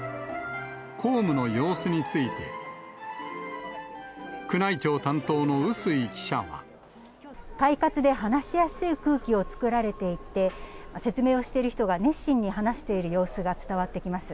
公務の様子について、快活で話しやすい空気を作られていて、説明をしている人が熱心に話している様子が伝わってきます。